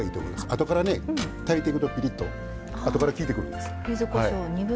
あとから炊いていくとピリッとあとからきいてくるんです。